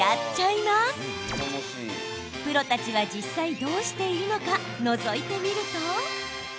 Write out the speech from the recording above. プロたちは実際どうしているのかのぞいてみると。